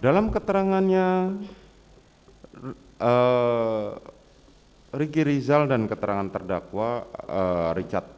dalam keterangannya riki rizal dan keterangan terdakwa richard